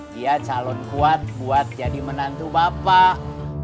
dia calon kuat buat jadi menantu bapak